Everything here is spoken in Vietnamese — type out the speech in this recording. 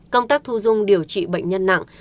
công tác thu dung điều trị bệnh nhân nặng